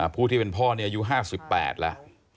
ผู้ที่เป็นพ่อนี่อายุ๕๘แล้ว